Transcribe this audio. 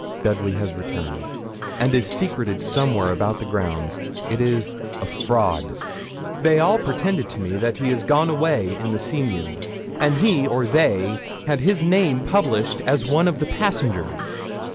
Dudley has returned, and is secreted somewhere about the grounds. It is a fraud. They all pretend to me that he is gone away in the Seamew; and he or they had his name published as one of the passengers.